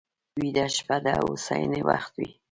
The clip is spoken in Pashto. ویده شپه د هوساینې وخت وي